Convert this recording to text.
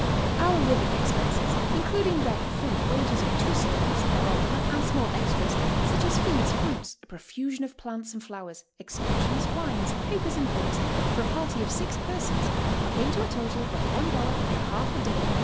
"Our living ex penses, including rent, food, wages of two servants, gondola and small extras, such as fees, fruits, a profusion of plants and flowers, excursions, wines, papers and books, for a party of six persons, came to a total of one dollar and a half a day, each.